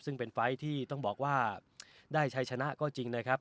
ซึ่งเป็นไฟล์ที่ต้องบอกว่าได้ชัยชนะก็จริงนะครับ